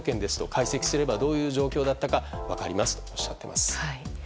解析すればどういう状況だったか分かりますとおっしゃっています。